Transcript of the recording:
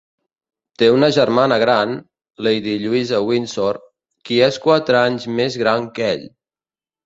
Té una germana gran, lady Lluïsa Windsor, qui és quatre anys més gran que ell.